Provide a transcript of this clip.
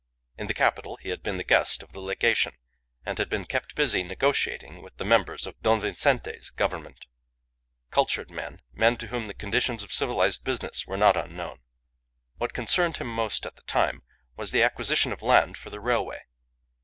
In the capital he had been the guest of the Legation, and had been kept busy negotiating with the members of Don Vincente's Government cultured men, men to whom the conditions of civilized business were not unknown. What concerned him most at the time was the acquisition of land for the railway.